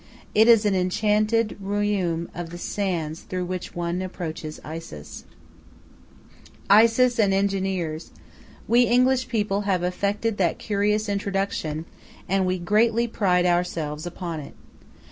It is an enchanted royaume of the sands through which one approaches Isis. Isis and engineers! We English people have effected that curious introduction, and we greatly pride ourselves upon it.